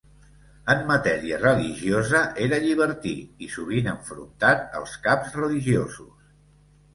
En matèria religiosa era llibertí i sovint enfrontat als caps religiosos.